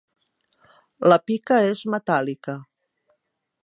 La pica és metàl·lica.